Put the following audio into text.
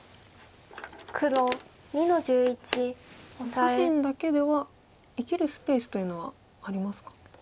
左辺だけでは生きるスペースというのはありますか？